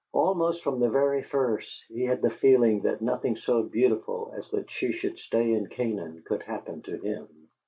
Almost from the very first, he had the feeling that nothing so beautiful as that she should stay in Canaan could happen to him.